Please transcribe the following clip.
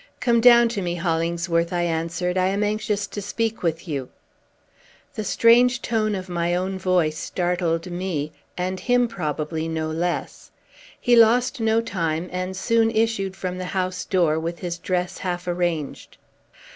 "Come down to me, Hollingsworth!" I answered. "I am anxious to speak with you." The strange tone of my own voice startled me, and him, probably, no less. He lost no time, and soon issued from the house door, with his dress half arranged.